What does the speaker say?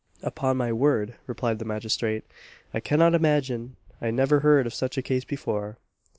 "Upon my word," replied the magistrate, "I cannot imagine I never heard of such a case before."